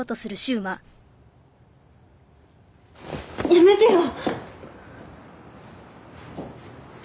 やめてよ！